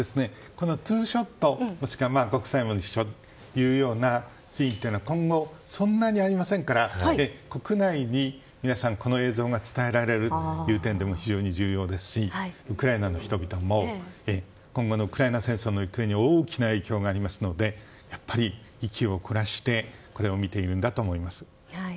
ツーショット、もしくはご夫妻も一緒のシーンというのは今後、そんなにありませんから国内に皆さんこの映像が伝えられるという点で非常に重要ですしウクライナの人々も今後のウクライナ戦争の行方に大きな影響がありますので息を凝らしてこれを見てるんだと思います。